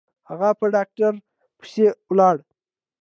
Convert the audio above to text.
هغه په ډاکتر پسې ولاړه.